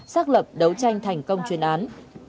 xác lập đấu tranh thành công chuyên án